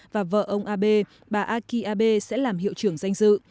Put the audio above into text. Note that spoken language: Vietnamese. và vợ ông abe bà aki abe sẽ làm hiệu trưởng danh dự